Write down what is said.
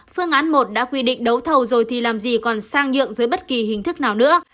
phương án một đã quy định đấu thầu rồi thì làm gì còn sang nhượng dưới bất kỳ hình thức nào nữa